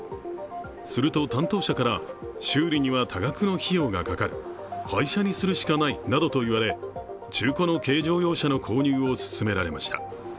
すると、担当者から修理には多額の費用がかかる、廃車にするしかないなどと言われ中古の軽乗用車の購入を勧められました。